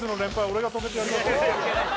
俺が止めてやりますよ